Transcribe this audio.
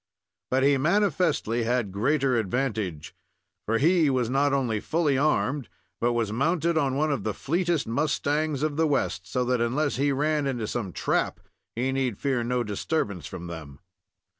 But he manifestly had greater advantage, for he was not only fully armed, but was mounted on one of the fleetest mustangs of the West; so that, unless he ran into some trap, he need fear no disturbance from them.